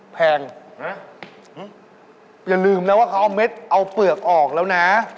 แพงนะอย่าลืมนะว่าเขาเอาเม็ดเอาเปลือกออกแล้วนะ